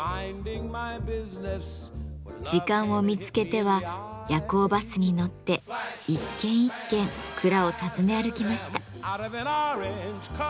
時間を見つけては夜行バスに乗って一軒一軒蔵を訪ね歩きました。